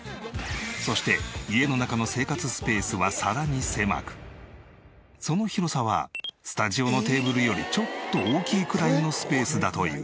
そして家の中のその広さはスタジオのテーブルよりちょっと大きいくらいのスペースだという。